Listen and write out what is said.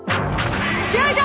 気合だ！